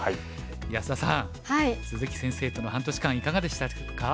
安田さん鈴木先生との半年間いかがでしたか？